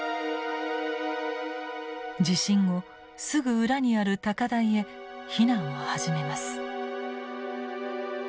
地震後すぐ裏にある高台へ避難を始めます。